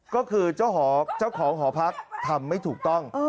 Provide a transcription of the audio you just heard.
ก็คือเจ้าของหอพักทำไม่ถูกต้อง